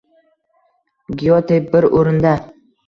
Gyote bir oʻrinda